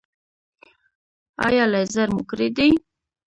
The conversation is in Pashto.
ایا لیزر مو کړی دی؟